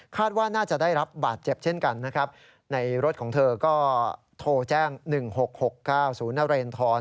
ว่าน่าจะได้รับบาดเจ็บเช่นกันนะครับในรถของเธอก็โทรแจ้ง๑๖๖๙๐นเรนทร